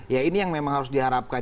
ya ini yang memang harus diharapkan